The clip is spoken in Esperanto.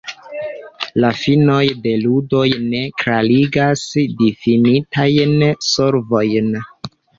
La finoj de ludoj ne klarigas difinitajn solvojn.